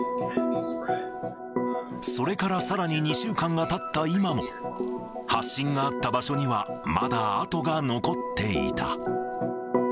それからさらに２週間がたった今も、発疹があった場所にはまだ痕が残っていた。